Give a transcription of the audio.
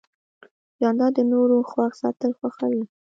جانداد د نورو خوښ ساتل خوښوي.